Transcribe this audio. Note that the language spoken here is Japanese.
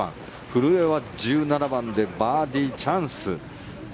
古江は１７番でバーディーチャンス。